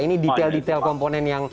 ini detail detail komponen yang